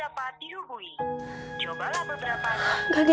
apa yang terjadi